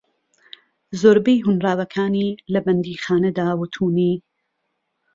زۆربەی ھۆنراوەکانی لە بەندیخانەدا وتونی